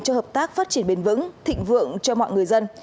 cho hợp tác phát triển bền vững thịnh vượng cho mọi người dân